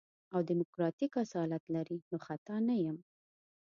او ديموکراتيک اصالت لري نو خطا نه يم.